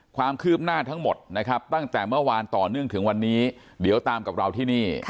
ความคืบหน้าทั้งหมดนะครับตั้งแต่เมื่อวานต่อเนื่องถึงวันนี้เดี๋ยวตามกับเราที่นี่